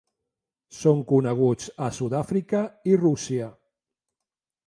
Són coneguts a Sud-àfrica i Rússia.